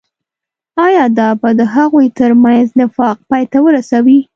آيا دا به د هغوي تر منځ نفاق پاي ته ورسوي.